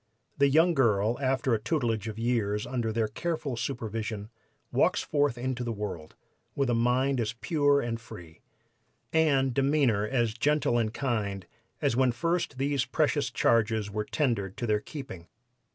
The young girl, after a tutelage of years under their careful supervision, walks forth into the world, with a mind as pure and free, and demeanor as gentle and kind, as when first these precious charges were tendered to their keeping.